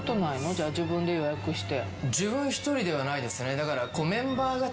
じゃあ自分で予約して。